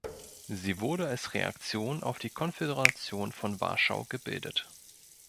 Sie wurde als Reaktion auf die Konföderation von Warschau gebildet.